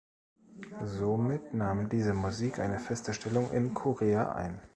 Somit nahm diese Musik eine feste Stellung in Korea ein.